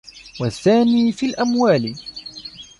وَالثَّانِي فِي الْأَمْوَالِ